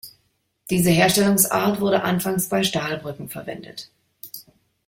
Diese Herstellungsart wurde anfangs bei Stahlbrücken verwendet.